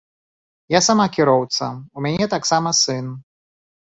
Я сама кіроўца, у мяне таксама сын.